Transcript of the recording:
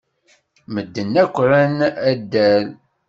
Medden akk ran addal.